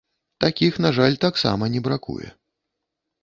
Такіх, на жаль, таксама не бракуе.